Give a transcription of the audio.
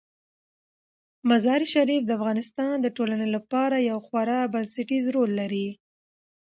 مزارشریف د افغانستان د ټولنې لپاره یو خورا بنسټيز رول لري.